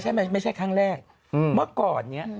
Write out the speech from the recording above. แล้วพี่ห้อยแล้วเป็นไงอ่ะ